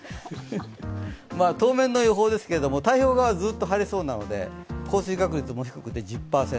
当面の予報ですけれども、太平洋側はずっと晴れそうなので降水確率も低くて１０％。